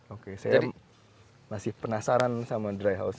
oke saya masih penasaran sama dry house